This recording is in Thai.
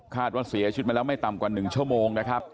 ว่าเสียชีวิตมาแล้วไม่ต่ำกว่า๑ชั่วโมงนะครับ